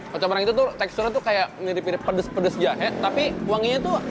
kecombrang itu teksturnya itu kayak mirip mirip pedes pedes jahe tapi wanginya itu